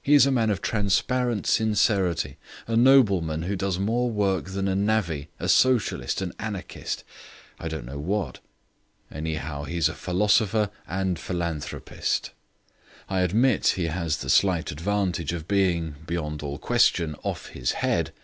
He is a man of transparent sincerity, a nobleman who does more work than a navvy, a socialist, an anarchist, I don't know what; anyhow, he's a philosopher and philanthropist. I admit he has the slight disadvantage of being, beyond all question, off his head.